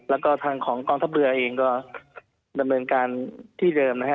แล้วก็ทางของกองทัพเรือเองก็ดำเนินการที่เดิมนะฮะ